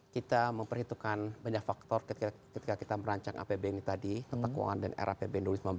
kita memperhitungkan banyak faktor ketika kita merancang apb ini tadi otak keuangan dan era apb dua ribu sembilan belas